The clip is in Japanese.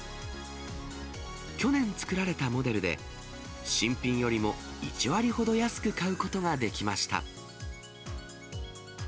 去年作られたモデルで、新品よりも１割ほど安く買うことができました。